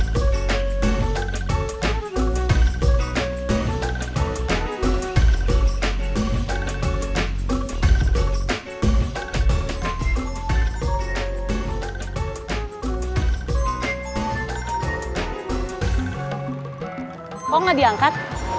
kok gak diangkat